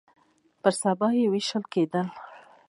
پر سبا يې ويشتل کېده.